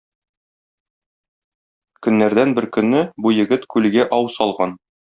Көннәрдән бер көнне бу егет күлгә ау салган.